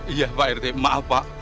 iya pak rt maaf pak